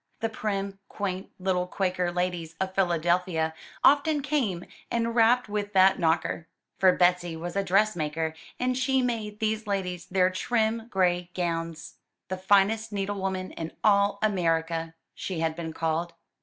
The prim, quaint, little Quaker ladies of Philadelphia often came and rapped with that knocker. For Betsy was a dressmaker and she made these ladies their trim gray gowns. ''The finest needle woman in all America,'* she had been called.